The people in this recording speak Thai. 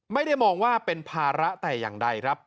ไม่ได้มองว่าเป็นภาระแต่อย่างใดครับ